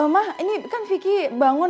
mah ini kan vicky bangun